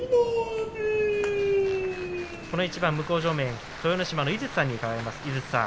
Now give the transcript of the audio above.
この一番、向正面、豊ノ島の井筒さんに伺います。